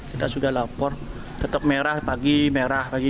kita sudah lapor tetap merah pagi merah pagi